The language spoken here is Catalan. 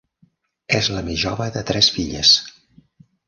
És la més jove de tres filles.